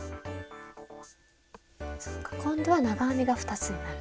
そっか今度は長編みが２つになるんだ。